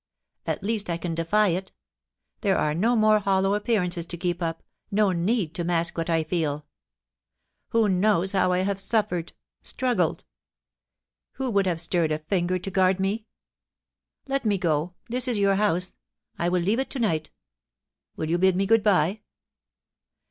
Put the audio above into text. At least I can defy it There are no more hollow appearances to keep up — no need to mask what I feeL Who knows how I have suffered — struggled ? Who would have stirred a finger to guard me ? Let me go. This is your house. I will leave it to night Will you bid me good bye